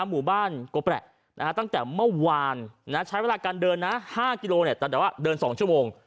หมู่บ้านโกแปะตั้งแต่เมื่อวานใช้เวลาการเดินนะ๕กิโลแต่ว่าเดิน๒ชั่วโมง